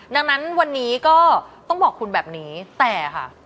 ดังนั้นวันนี้ก็ต้องบอกคุณแบบนี้แต่ค่ะ